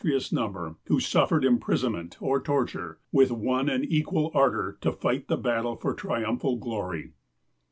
3 THE WORLD'S FAMOUS ORATIONS number who suffered imprisonment or torture, with one and equal ardor to fight the battle for triumphal glory.